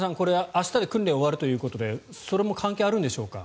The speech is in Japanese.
明日で訓練が終わるということでそれも関係があるんでしょうか。